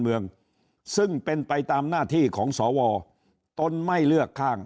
เมืองซึ่งเป็นไปตามหน้าที่ของสวตนไม่เลือกข้าง